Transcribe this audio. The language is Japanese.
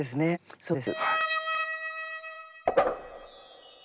そうです。